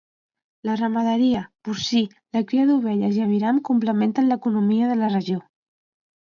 La ramaderia, porcí, la cria d'ovelles i aviram complementen l'economia de la regió.